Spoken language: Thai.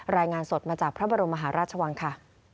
รายงานสดมาจากพระบรมมหาราชวังค่ะ